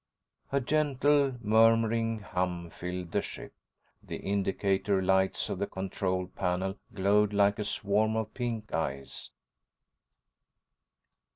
———— A gentle, murmuring hum filled the ship. The indicator lights on the control panel glowed like a swarm of pink eyes.